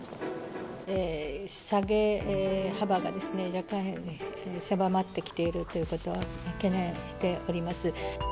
下げ幅がですね、若干狭まってきているということは懸念しております。